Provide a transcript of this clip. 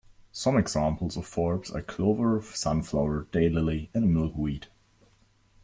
Some examples of forbs are clover, sunflower, daylily, and milkweed.